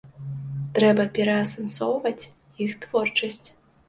Трэба пераасэнсоўваць іх творчасць.